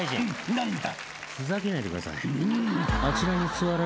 何だ？